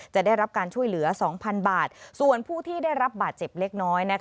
จะได้รับการช่วยเหลือ๒๐๐๐บาทส่วนผู้ที่ได้รับบาดเจ็บเล็กน้อย